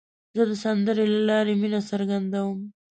زه د سندرې له لارې مینه څرګندوم.